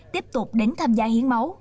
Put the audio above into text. tiếp tục đến tham gia hiến máu